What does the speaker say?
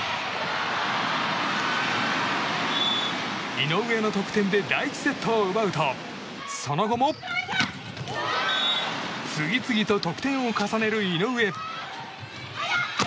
井上の得点で第１セットを奪うとその後も次々と得点を重ねる井上。